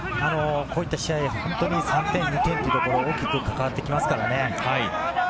こういった試合、３点、２点というところ、大きくかかわってきますからね。